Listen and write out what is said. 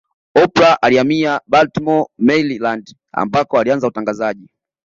Oprah alihamia Baltimore Maryland ambapo alianza utangazaji